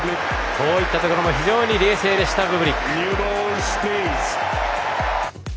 こういったところも非常に冷静でしたブブリック。